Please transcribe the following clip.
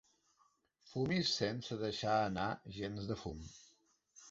Fumis sense deixar anar gens de fum.